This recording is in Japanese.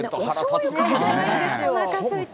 おなかすいた。